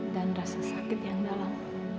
dan rasa sakit yang dalam